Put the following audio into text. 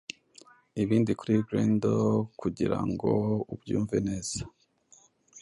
Ibindi kuri Grendelkugirango ubyumve neza